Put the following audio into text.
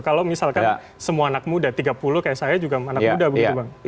kalau misalkan semua anak muda tiga puluh kayak saya juga anak muda begitu bang